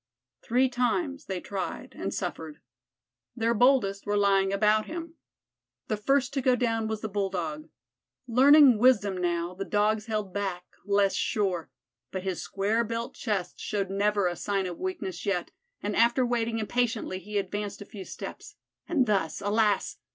Three times they tried and suffered. Their boldest were lying about him. The first to go down was the Bulldog. Learning wisdom now, the Dogs held back, less sure; but his square built chest showed never a sign of weakness yet, and after waiting impatiently he advanced a few steps, and thus, alas!